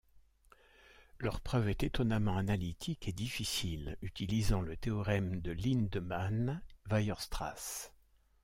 Leur preuve est étonnamment analytique et difficile, utilisant le théorème de Lindemann-Weierstrass.